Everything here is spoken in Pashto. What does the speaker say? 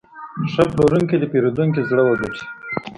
ښه پلورونکی د پیرودونکي زړه وګټي.